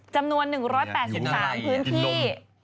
จำนวน๑๘๓พื้นที่